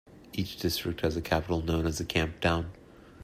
Each district has a capital known as a camptown.